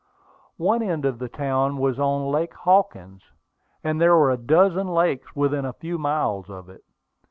One end of the town was on Lake Hawkins, and there were a dozen lakes within a few miles of it.